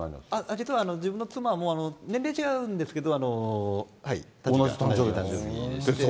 実は自分の妻も年齢違うんですけど。